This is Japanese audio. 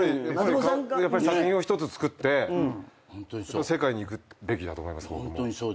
やっぱり作品を１つ作って世界に行くべきだと思います僕も。